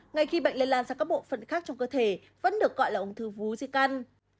ngay khi bệnh lây lan sang các bộ phận khác trong cơ thể vẫn được gọi là ung thư vú di căn